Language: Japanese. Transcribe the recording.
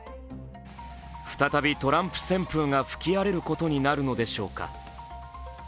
再びトランプ旋風が吹き荒れることになるのでしょうか。